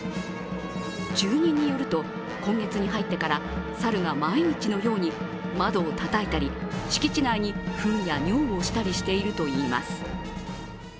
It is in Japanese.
住人によると、今月に入ってからサルが毎日のように窓をたたいたり敷地内にふんや尿をしているといいます。